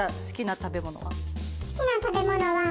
好きな食べ物は。